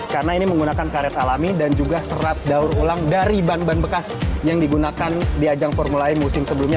karena ini menggunakan karet alami dan juga serat daur ulang dari ban ban bekas yang digunakan di ajang formula e musim sebelumnya